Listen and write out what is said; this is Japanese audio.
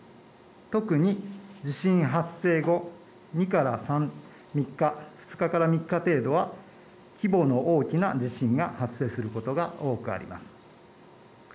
特に地震発生後、２日から３日程度は規模の大きな地震が発生することが多くあります。